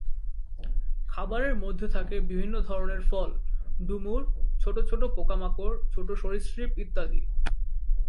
খাবারের মধ্যে থাকে বিভিন্ন ধরনের ফল, ডুমুর, ছোটো ছোটো পোকামাকড়, ছোটো সরীসৃপ ইত্যাদি।